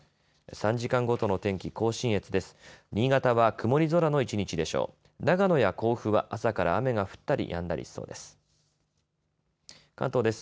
３時間ごとの天気、甲信越です。